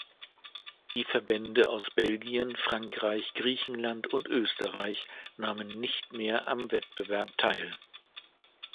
Die Verbände aus Belgien, Frankreich, Griechenland und Österreich nahmen nicht mehr am Wettbewerb teil.